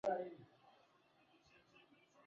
Msichana wangu ni mrembo sana